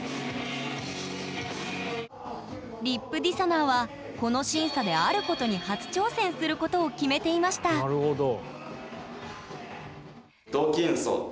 ＲＩＰＤＩＳＨＯＮＯＲはこの審査であることに初挑戦することを決めていましたなるほど。